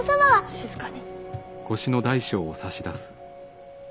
静かに。